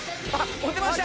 持てました！